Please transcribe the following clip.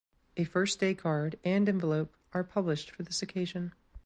A First Day card and envelope are published for this occasion.